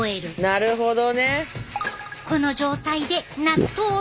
なるほど。